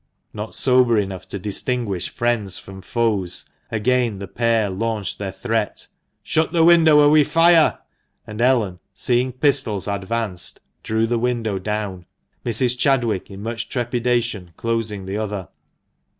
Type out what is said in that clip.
Not sober enough to distinguish friends from foes, again the pair launched their threat, "Shut the window, or we fire!" and Ellen, seeing pistols advanced, drew the window down, Mrs. Chadwick, in much trepidation, closing the other.